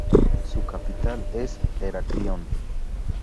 Su capital es Heraclión.